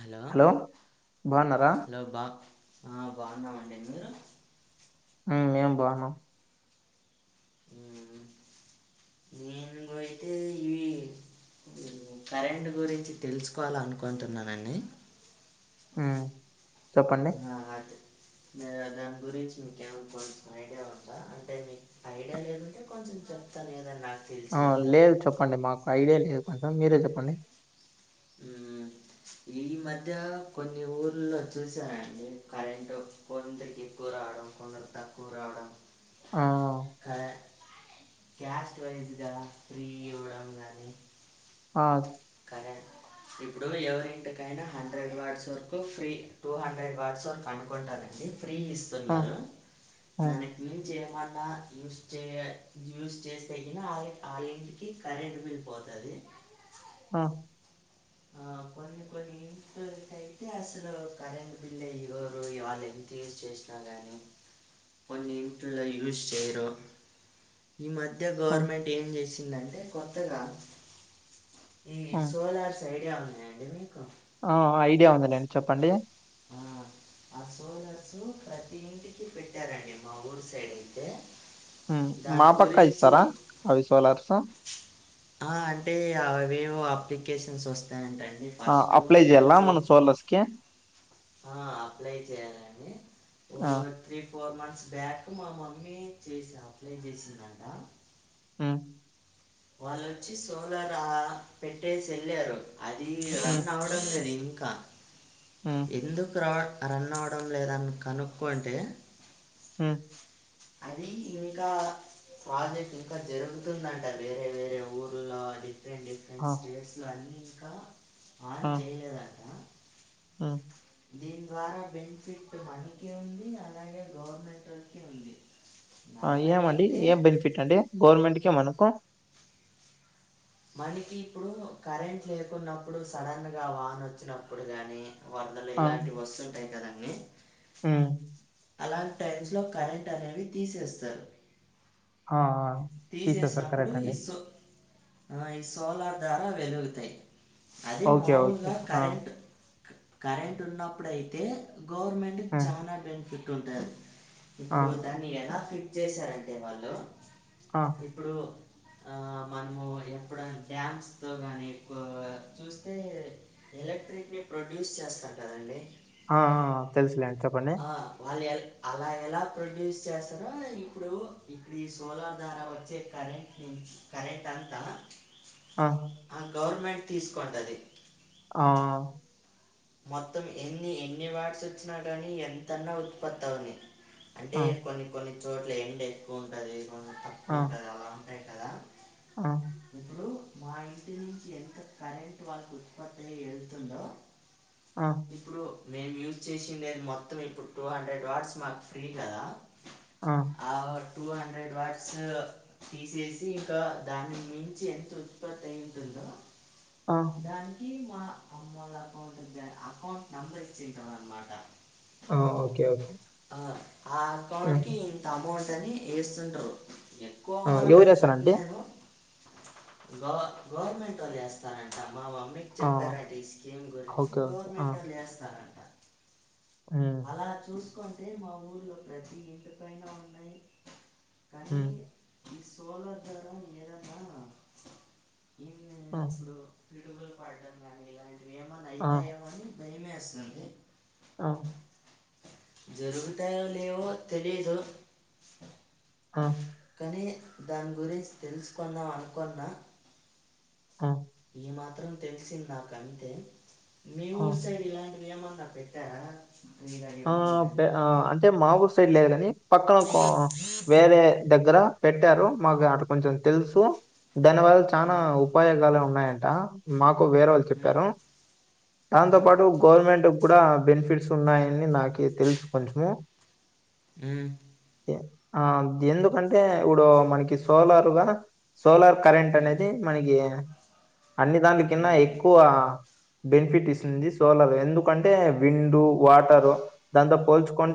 Hello బాగున్నారా hello బాప్ బాగున్నామండి మీరు ఆ మేం బాగున్నాం ఉమ్ ఉ నేన్ బొయితె ఈ నేను కరెంట్ గురించి తెలుస్సు కోవాల అనుకుంటున్నానండి ఉమ్ చెప్పండి ఆమ్మో వద్దు దాని గురించి మీకేం కొంచెం ఐడియా ఉందా అంటే మీకు ఐడియా లేదంటే కొంచెం తన్మిదే లాస్ట్ ఆ లేదు చెప్పండి మాకు ఐడియా లేదు మీరే చెప్పండి ఊమ్ ఈ మధ్య కొన్ని రోజుల్లో చేశామండి కరెంటు కొందరికి ఎక్కువ రావడం కొందరికి తక్కువ రావడం ఆ హలో క్యాస్ట్ వైజ్గా ఫ్రీగ ఇవ్వడం గానీ ఆ కరెంట్ ఇపుడు ఎవరి ఇంటికైనా హండ్రెడ్ వార్డ్స్ వరకు ఫ్రీ టూ హండ్రెడ్ వార్డ్స్ వరకు అనుకుంటానండి ఫ్రీ ఆ ఇస్తున్నర ఆ ఏం చేయమన్నా న్యూస్ చేయల న్యూస్ చేస్తేనె మనకు ఫాలోయింగ్ కేస్ అదే ఫీల్డ్ అయి పోతాది కాదు ఓ అక్కో కొన్ని కొన్ని ఇంట్లోకై ఐతే అసలు కరెంటు బిల్లు ఇవ్వరు వాళ్ళని చేసి చేసి కానీ కొన్ని ఇంట్లో యూస్ చేయరు ఈ మధ్య ఆ గవర్నమెంట్ ఏం చేసిందంటే కొత్తగా ఈ ఆ సోలార్స్ ఐడియా ఉన్నాయండి మీకు ఆ ఐడియా ఉందిలేండి చెప్పండి ఆ ఆ సోలర్సు ప్రతి ఇంటికి పెట్టారండి మా ఊరు సైడ్ అయితే ఉమ్ దాని మాపక్క గురించి ఇస్తారా అవి సోలర్సు ఆ అంటే అవేవో అప్లికేషన్స్ వస్తాయ్ అంటండి ఫస్ట్ ఇయో [unintelligible] కే ఆ అప్లై చేయ్యాలని ఆ త్రీ ఫోర్ మంత్స్ బ్యాక్ మా మమ్మీ చేసా అప్లై చేసిందంట మ్మ్ వాళ్ళు వొచ్చి సోలార్ ఆ పెట్టేసి వెళ్ళారు అది వన్ అవార్ [unintelligible] ఇంకా ఉను ఎందుకు రా రన్ అవ్వడం లేదని కనుక్కొంటే ఉను అది ఇంకా ప్రాజెక్ట్ ఇంకా జరుగుతుందంటా వేరే వేరే ఊర్లో different different states లో అన్నీ ఇంకా ఆన్ చేయలేదంట ఉనా దీని ద్వారా బెనిఫిట్ మనికి ఉంది అలానే గవర్నమెంటోళ్ళకి ఉంది అ నన్ను ఏమండి అడిగితే ఏం బెనిఫిట్ అండి గవర్నమెంట్ కు మనకు మనకి ఇప్పుడు కరెంట్ లేకున్నప్పుడు సడన్ గా వాన వచ్చినప్పుడు గాని వరదలు ఇలాంటివి వస్తువుంటాయి కదండీ ఆ [unintelligible] అలాంటి టైమ్స్ లో కరెంట్ అనేది తీసేస్తారు ఆ ఆ తీసేశారు. తీసేసినప్పుడు కరెక్ట్ ఈ అండి. సో ఆ ఈ సోలార్ ద్వార వెలుగుతాయి అది ఓకే. ఓకే. ఓకే. మాములుగా ఆ! కరెంట్ కరెంట్ ఉన్నప్పుడు అయితే గవర్నమెంట్ కు ఆ! చాలా బెన్ఫిట్ ఉంటాది ఆ! ఇప్పుడు దాన్ని ఎలా ఫిట్ చేశారంటే వాళ్ళు ఆ! ఇప్పుడు ఆ మనము ఎప్పుడన్న డ్యామ్స్ లో గానీ ఎక్కువగా చూస్తే ఎలక్ట్రిక్ ని ప్రొడ్యూస్ చేస్తారు కదండి ఆ ఆ తెలుసులేండి చెప్ ఆ వాళ్ళు ఎ అలా ఎలా ప్రొడ్యూస్ చేస్తారో ఇప్పుడు ఇప్పుడి ఈ సోలార్ ద్వారా వచ్చే కరెంట్ కరెంట్ అంతా అవు ఆ గవర్నమెంట్ తీసుకుంటాది ఆ మొత్తం ఎన్ని ఎన్ని వాట్స్ వచ్చినాగాని ఎంతన్నా ఉత్పత్తి అవని అంటే ఆ! కొన్ని కొన్ని చోట్ల ఎండ ఎక్కువ ఉంటది కొంచెం తక్కువ ఉంటది అలా కదా అవును ఇప్పుడు మా ఇంటి నుంచి ఎంత కరెంట్ వాళ్ళకి ఉత్పత్తి అయి యేళ్తుందో ఆ ఇప్పుడు మేము యూజ్ చేసిండేది మొత్తం ఇప్పుడు టూ హండ్రెడ్ వాట్స్ మాకు ఫ్రీ కదా ఆ ఆ టూ హండ్రెడ్ వాట్సు తీసేసి ఇంకా దాని మించి ఎంత ఉత్పత్తి అయింటుందో ఆ దానికి మా అమ్మళ్ల అకౌంట్గాఁ అకౌంట్ నెంబర్ ఇచ్చింటారు అన్నమాట ఆ ఓకే ఓకే ఆ ఆ ఆ! అకౌంట్ కి ఇంత అమౌంట్ అని వేస్తుండ్రు ఆ! కోమోట అని ఎవరేశారండి? చెప్పలేను గోవా గవర్నమెంట్ వాళ్లు చేస్తారంట మా మమ్మీ ఆ! చెప్తారంటే ఈ స్కీమ్ గురించి ఓకే. ఓకే. గవర్నమెంట్వాళ్ళు వేస్తారంట ఉమ్ అలా చూసుకుంటే మా ఊర్లో ప్రతి ఇంటిపైన ఉన్నాయి కానీ హ్మ్. ఈ సోలార్ దరం ఏదన్న ఏ ఆ! ఇప్పుడు పిడుగులు పాడటం గానీ ఇలాంటివి ఏమని ఆ! అయితాయి ఏమో అని భయమేస్తుంది అ జరుగుతాయో లేవో తెలీదు ఆ కానీ దాని గురించి తెలుసుకుందాం అనుకున్న ఆ ఈ మాత్రం తెలిసింది నాక అంతే మీ ఊరు ఆ! సైడ్ ఇలాంటి ఏమన్నా పెట్ ట్టారా ఇ [unintelligible] ఆ పే ఆ అంటే మా ఊరు సైడ్ లేదు కాని పక్కన మా వేరే దగ్గర పెట్టారు మాకు అంటే కొంచెం తెలుసు దానివల్ల ఆ, చాలా ఉపయోగాలే ఉన్నాయంట మాకు వేరే వాళ్ళు ఉమ్, చెప్పారు దాంతో ఉమ్, పాటు గవర్నమెంట్ కూడా బెనిఫిట్స్ ఉన్నాయి అని నాకి తెలుసు కొంచము ఉ ఆ ఎందుకంటే ఇప్పుడు మనకి సోలారుగా సోలార్ కరెంట్ అనేది ఉమ్, మనకి అన్ని దాంల కిన్నా ఉమ్, ఎక్కువ బెనిఫిట్ ఇస్తుంది సోలార్ ఎందుకంటే విండు వాటరు దాంతో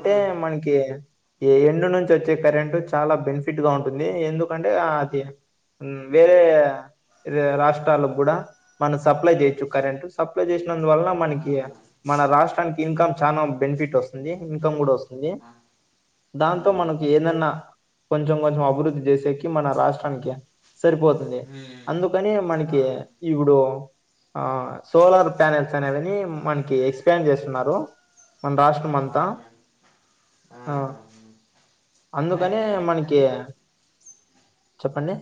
ఆ, మనకి ఈ ఎండు నుంచచ్చే కరెంటు చాలా బెనిఫిట్ గా ఉంటుంది ఎందుకంటే అది ఉ ఇ వేరే రాష్ట్రాాలకు కూడా మనం సప్లై చేయొచ్చు కరెంటు సప్లై చేసినందు వల్ల ఆ, మనకి మన రాష్ట్రానికి ఇన్కమ్ చనా బెనిఫిట్ వస్తుంది ఇన్కమ్ కూడా వస్తు ది ఆ, దాంతో మనకి అవునండి ఏదన్నా కొంచెం కొంచెం అభివృద్ధి చేసేకి మన రాష్ట్రానికి సరిపోత్ తుంది ఉమ్, అందుకని మనకి అవును ఇప్పుడు ఆ సోలార్ ప్యానెల్స్ అనేవిని మనకి ఎక్స్పాండ్ చేస్తున్నారు మన్ రాష్ట్ అవును ఆ అందుకని కానీ మనకి అవి చెప్పండి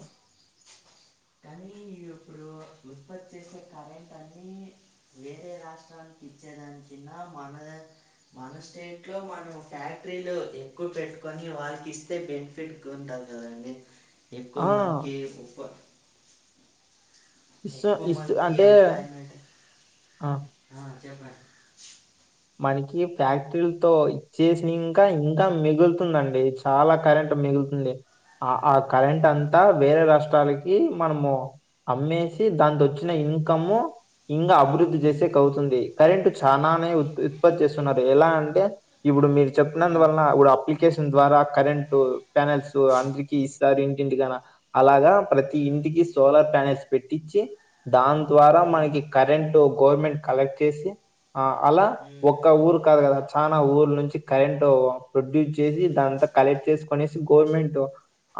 కానీ ఇప్పుడు ఉత్పత్తి చేసే కరెంట్ అన్ని వేరే రాష్ట్రానికి ఇచ్చేదానికిన్నా మన రాష్ట మన స్టేట్ లో మనం ఫ్యాక్టరీలు ఎక్కువ పెట్టుకొని వాళకి ఇస్తే బెని ఫిట్ ఉంటాది కాదండి ఎక్కువ ఆ మనకి ఉత్ప ఇస్తు ఎక్కువ ఇస్తు మందికి అంటే ఎంప్లాయ్మెంట్ ఆ చెప్పండి మనకి ఫ్యాక్టరీలతో ఇచ్చేసిన ఇంకా ఇంకా మిగులుతుందండి చాలా కరెంట్ మిగులుతుంది ఆ ఆ కరెంట్ అవునా అంతా వేరే రాష్ట్రాలకి మనము అమ్మేసి దాంతో వచ్చిన ఇన్కమ్ ఇంకా అభివృద్ధి ఉమ్, చేసేకఅవుతుంది కరెంటు చాలానే ఉత్పత్తి చేస్తున్నారు ఎలా అంటే ఇప్పుడు మీరు చెప్పినందు ఉమ్, వల్ల ఇప్పుడు అప్లికేషన్ ద్వారా కరెంట్ ప్యానెల్స్ అందరికీ సార్ ఇంటింటికనా అలాగ ప్రతి ఉమ్, ఇంటికి సోలార్ ప్యానెల్స్ పెట్టించి దాని ద్వారా మనకి కరెంట్ గవర్నమెంట్ కలెక్ట్ చేసి ఆ అలా ఉమ్, ఒక్క ఊరు కాదు కదా చాలా ఊరినుంచి నుంచి కరెంట్ ప్రొడ్యూస్ చేసి దాం కలెక్ట్ చేసుకునేసి గవర్నమెంట్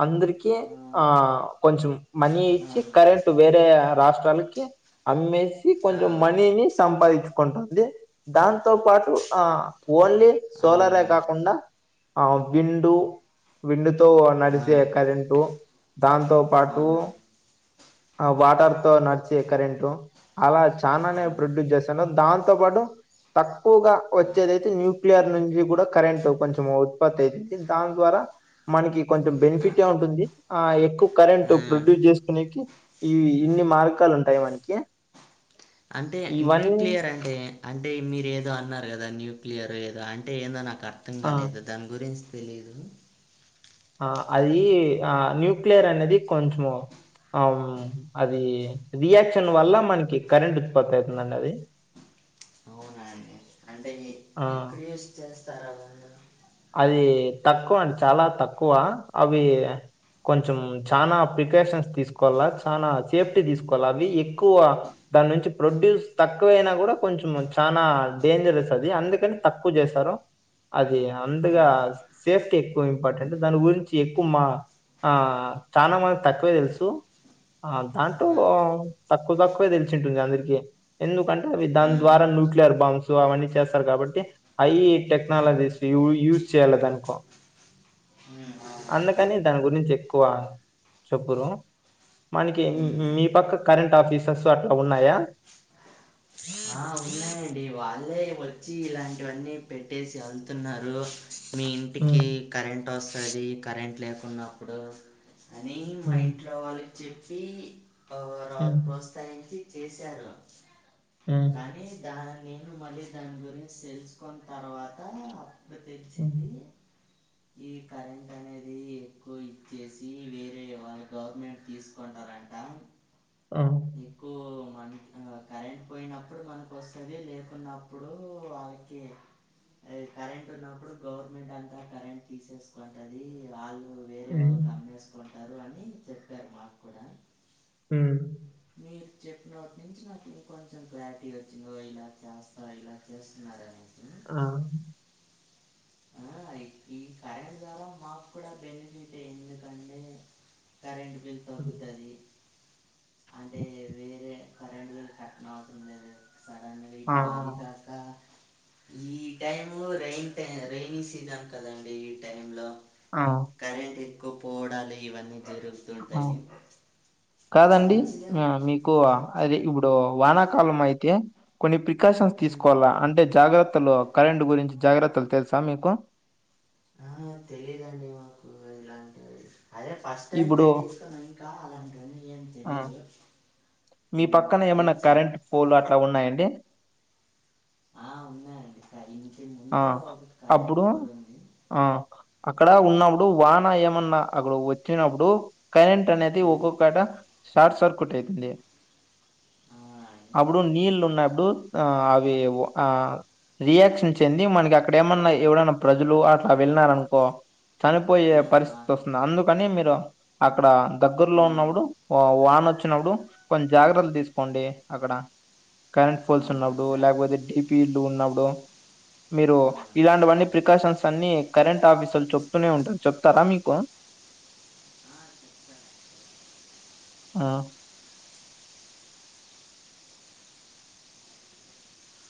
అందరికి ఉమ్, ఆ కొంచెం మనీ ఆ, ఇచ్చి అవును కరెంట్ వేరే రాష్ట్రాలకి అమ్మేసి ఆ, కొంచెం మనీని సంపాదించుకుంటుంది దాన్ తో పాటు ఆ ఓన్లీ సోలారే అవునండి కాకుండా ఆ విండు విండు తో ఆ, నడిసే కరెంటు దాంతో పాటు అవునండి ఆ వాటర్తో నడిచే కరెంటు అలా చానానే అవునండి ప్రొడ్యూస్ చేశాను దాంతో పాటు తక్కువగా ఆ, వచ్చేదైతే న్యూక్లియర్ నుంచి కూడ కరెంట్ కొంచెం ఉత్పత్తి అయింది దాని ద్వార మనకి కొంచెం ఆ, బెనిఫిటే ఉంటుంది ఆ ఎక్కువ కరెంట్ ఆ. ప్రొడ్యూస్ చేసుకునేకి ఈ ఇన్ని మార్గాలు ఉంటాయి మనకి అంటే ఇవన్ న్యూక్లియర్ అంటే అంటే మీరేదో అన్నారు గదా న్యూక్లియర్ ఏదో అంటే ఏదో నాకు అర్థం ఆ! కాలేదు దాని గురించి తెలీదు ఆ అది ఆ న్యూక్లియర్ అనేది కొంచము అది రియాక్షన్ వల్ల మనకి కరెంట్ ఉత్పత్తి అవుతుందండి అది అవునండి అంటే ఆ! ఎక్కడ యూస్ చేస్తారు అవన్నీ అది తక్కువ అండి చాల తక్కువ అవి కొంచెం చానా ప్రికాషన్స్ తీసుకోవాలా చాన సేఫ్టీ తీసుకోవాలా అవి ఎక్కువ దాని నుంచి ప్రొడ్యూస్ తక్కువయినా కూడా కొంచెం చాలా డేంజరస్ అది అందుకని తక్కువ చేశారు అది ఆ, అందుగా సేఫ్టీ ఎక్కువ ఇంపార్టెంట్ దాని గురించి ఎక్కువ మా ఆ చాన మందికి తక్కువే తెలుసు ఆ ఆ, దాంట్లో తక్కువ తక్కువే తెలిచి ఉంటుంది అందరికి ఎందుకంటే అవి దాని ఉమ్, ద్వారా న్యూక్లియర్ బాంబ్స్ అవన్నీ చేస్తారు కాబట్టి అయి ఉమ్, టెక్నాలజీస్ [unintelligible] యూస్ చేయాలి దానికో ఆ అందుకని దాని గురించి ఎక్కువ చొప్పురు మనకి ఉమ్, మీ ఉమ్. పక్క కరెంట్ ఆఫీసర్స్ అట్ల ఉన్నాయ ఆ ఉన్నాయండి వాళ్ళే వచ్చి ఇలాంటివన్నీ పెట్టేసి వెళ్తున్నారు మీ ఇంటికి ఉమ్, కరెంట్ వస్తుంది కరెంట్ లేకున్నప్పుడు అని మా ఉమ్, ఇంట్లో వాళ్ళకి చెప్పి ఉమ్, ఒక [unintelligible] టైం కి చేశారు ఉమ్, కానీ దా నేను మళ్ళీ దాని గురించి తెలుసుకున్న తర్వాత [unintelligible] ఉమ్, తెలిసింది ఈ కరెంట్ అనేది ఎక్కువ ఇచ్చేసి వేరే వాళ్ళు గవర్నమెంట్ తీసుకుంటారంట అ ఎక్కువ మన కరెంట్ పోయినప్పుడు మనకు వస్తుంది లేకున్నప్పుడు [unintelligible] కరెంట్ ఉన్నప్పుడు గవర్నమెంట్ అంతా కరెంట్ తీసేసుకుంటది వాళ్ళు వేరే వాల్కు ఉమ్, అమ్మేసుకుంటారు అనీ చెప్పారు మాక్కూడా ఉమ్ మీర్ చెప్పినాట్నుంచి నాక్ ఇంకొంచెం క్లారిటీ వచ్చిందో ఇలా చేస్తా ఇలా చేస్తున్నారనీ ఆహ్ ఆ అయి ఈ కరెంట్ ద్వారా మాక్కుడా బెన్ఫిటే ఎందుకండే కరెంట్ బిల్ ఉమ్, తగ్గుతదీ అంటే వేరే కరెంట్ బిల్ కట్నవసరం లేదు సడన్ గ ఆ, ఇప్పుడు అది రాకా ఈ టైమ్లో రైన్ టై రెైనింగ్ సీజన్ కదండీ ఈ టైం లో ఆ, కరెంట్ ఎక్కు పోడాలు ఇవన్నీ జరుగుతుంటాయి కాదండీ మంచిగా మ్ మీకూ ఆ, అదే ఇప్పుడూ వానాకాలం అయితే కొన్ని పిక్ ప్రికాషన్స్ ఆ, తీసుకోవాలా అంటే జాగ్రత్తలు కరెంట్ గురించి జాగ్రత్తల్ తెలుసా మీకు ఆ తెలీదండీ మాకూ ఇలాంటివీ అదే ఫస్ట్ టైం ఇప్పుడు పెట్టిచ్కున్నం కా అలాంటివన్నీ ఏం ఆ తెలీదు మీ పక్కన ఏమన్నా కరెంట్ పోలు అట్లా ఉన్నాయండి ఆ ఉన్నాయండి కరింటి ఆ ముందూ ఒక కరెంట్ అప్పుడు పోల్ ఉంది ఆ అక్కడ ఉన్నబుడు వాన ఏమన్నా అక్కడ్ వచ్చినప్పుడు కరెంట్ అనేది ఉమ్, ఒక్కొక్కట షార్ట్ సర్క్యూట్ ఐతుంది ఆ, అండి అప్పుడు నీళ్ళున్నబ్డూ ఆ అవీ ఒ ఆ రియాక్షన్ చెంది మనకి అక్కడ ఏమన్నా ఎవడన్న ప్రజలూ అట్లా వెళ్ళినారనుకో చనిపోయే ఉమ్, ఆ, పరిస్థితొస్తుంద్ అందుకనీ మీరు అక్కడ దగ్గర్లో ఉమ్, ఉన్నప్పుడు వానొచ్చినప్పుడు కొన్ జాగ్రల్ దీస్కోండి అక్కడ కరెంట్ ఆ, ఫోల్స్ ఉన్నబ్డూ సరే ల్యాక్బోతే డీ పీ లు ఉన్నప్పుడు మీరూ ఉమ్, సరే ఇలాంటివన్నీ అండి ప్రికాషన్స్ అన్నీ కరెంట్ ఆఫీసర్లు చెప్తూనే ఉంటారు చెప్తారా మీకు ఆ చెప్ ఆ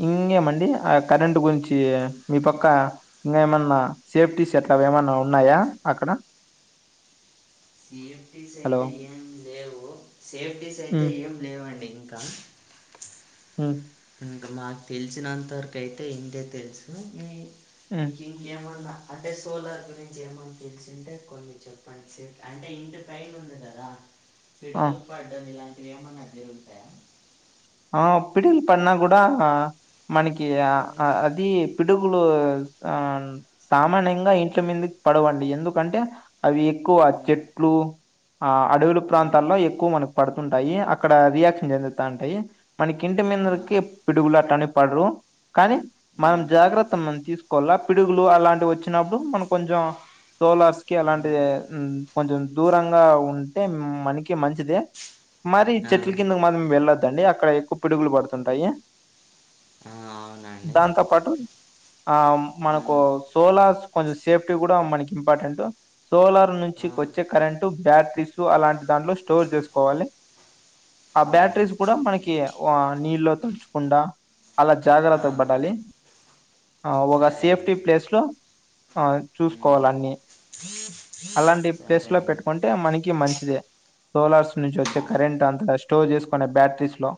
ఇంగేమండి ఆ కరెంటు గుంచీ మీ పక్కా ఇంగేమన్నా సేఫ్టీస్ అట్లావి ఏమన్నా ఉన్నాయా అక్కడ సేఫ్టీస్ హలో. ఐతే ఏం లేవూ సేఫ్టీస్ హ్మ్. ఐతే ఏం లేవండి ఇంకా ఉమ్ ఇంక మాక్ తెలిసినంత వరకైతే ఇంతే తెల్సూ హ్మ్. ఏమన్నా అంటే సోలార్ గురించి ఏమన్ తెలిసింటే కొన్ని చెప్పండి సర్ అంటే ఇంటి పైనుంది గదా ఆ! పిడుగుల్ పడ్డం ఇలాంటివి ఏమన్నా జరుగుతయా ఆ పిడిల్ పడ్నా గుడా మనకీ ఆ ఉమ్, ఆ అద్ దీ పిడుగులూస్ ఆన్ సామాన్యంగా ఇంట్ల మిందిక్ పడవండీ ఎందుకంటే అవి ఎక్కువ ఉమ్, చెట్లూ ఆ అడవులు ప్రాంతాల్లో ఎక్కువ మనకు పడుతుంటాయి అక్కడ రియాక్షన్ చెందుతాంటాయి మన కింటి మిందర్ ఆ, కిప్ పిడుగులట్టాంటి పడ్రూ కానీ మనం ఉమ్, జాగ్రత్త మం తీస్కోవాల పిడుగులు అలాంటి వచ్చినప్పుడు మనం కొంచెం సోలార్స్ కి అలాంటిదే ఉమ్, ఉమ్ కొంచం దూరంగా ఉంటే మనకీ మంచిదే మరీ ఆ, చెట్ల కింద మనం వెళ్ళద్దండి అక్కడ ఎక్కువ పిడుగులు బడుతుంటాయి ఆ, అవునండి దాంతో పాటు ఆ ఆ, మనకు సోలార్స్ కొంచెం సేఫ్టీ కూడా మనకి ఇంపార్టెంట్ సోలార్ నుంచి ఆ, వచ్చే కరెంటు బ్యాటరీస్ అలాంటి దాంట్లో స్టోర్ చేసుకోవాలి ఆ అవునండి బ్యాటరీస్ కూడా మనకి వ నీళ్లో తడచకుండా అలా ఆ, జాగ్రత్త ఆ, పడాలి ఆ ఒక సరే సేఫ్టీ అండి ప్లేస్ లో ఆ చూసుకోవాలి ఉమ్, అన్ని అలాంటి ప్లేస్ సరే లో అండి పెట్టుకుంటే మనకి మంచిదే సోలార్స్ నుంచి ఒచ్చే ఉమ్. కరెంట్ అంత స్టోర్ చేసుకునే బ్యాటరీస్ లో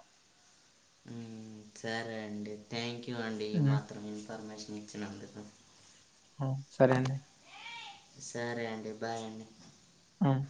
మ్మ్. సరే అండి థ్యాంక్ యూ అండి ఈ ఉమ్, మాత్రం ఇన్ఫర్మేషన్ ఇచ్చినందుకు ఉమ్ సరే అండి సరే అండి బాయ్ అండి ఉమ్